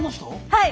はい。